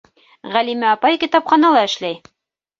Ғәлимә апай китапханала эшләй.